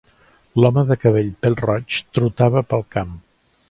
L'home de cabell pel roig trotava pel camp.